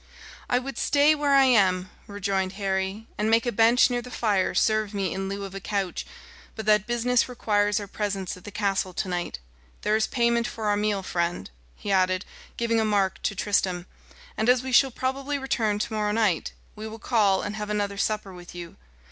"I would stay where I am," rejoined Harry, "and make a bench near the fire serve me in lieu of a couch, but that business requires our presence at the castle to night. There is payment for our meal, friend," he added, giving a mark to Tristram, "and as we shall probably return to morrow night, we will call and have another supper with you.